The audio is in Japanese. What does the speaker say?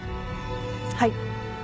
はい。